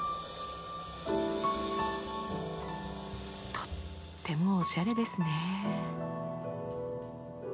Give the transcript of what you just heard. とってもおしゃれですね。